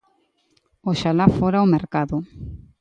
Oxalá fora o mercado.